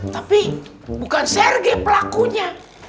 tapi bukan serge pelakunya